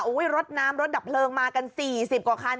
รถน้ำรถดับเพลิงมากัน๔๐กว่าคัน